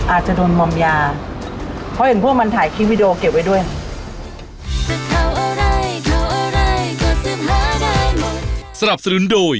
อาจจะโดนมอมยาเพราะเห็นพวกมันถ่ายคลิปวิดีโอเก็บไว้ด้วย